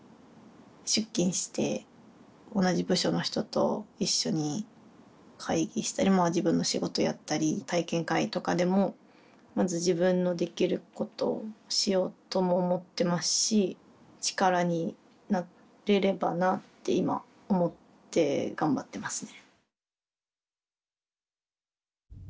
出勤して同じ部署の人と一緒に会議したりまあ自分の仕事やったり体験会とかでもまず自分のできることをしようとも思ってますし力になってればなぁて今思って頑張ってますね。